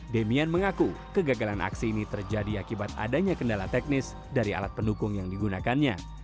demian mengaku kegagalan aksi ini terjadi akibat adanya kendala teknis dari alat pendukung yang digunakannya